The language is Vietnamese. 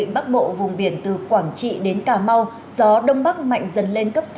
bắc bộ vùng biển từ quảng trị đến cà mau gió đông bắc mạnh dần lên cấp sáu